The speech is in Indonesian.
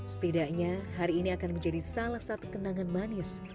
setidaknya hari ini akan menjadi salah satu kenangan manis